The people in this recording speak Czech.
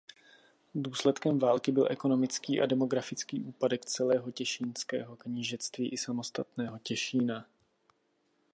Důsledkem války byl ekonomický a demografický úpadek celého Těšínského knížectví i samotného Těšína.